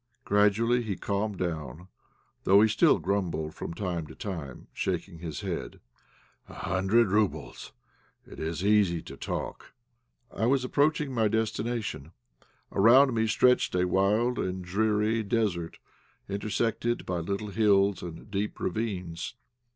Gradually he calmed down, though he still grumbled from time to time, shaking his head "A hundred roubles, it is easy to talk!" I was approaching my destination. Around me stretched a wild and dreary desert, intersected by little hills and deep ravines.